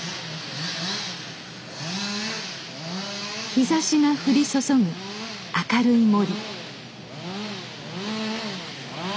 日ざしが降り注ぐ明るい森。